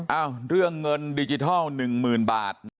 เอ้าเรื่องเงินดิจิทัล๑หมื่นบาท